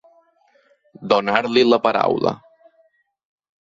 Donar-li la paraula.